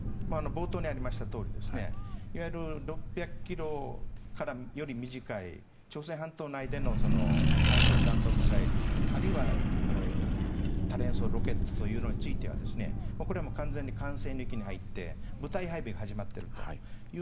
冒頭にありましたとおりいわゆる６００ｋｍより短い朝鮮半島内での短距離弾道ミサイルあるいは多連装ロケットについては完全に部隊配備が始まっていると。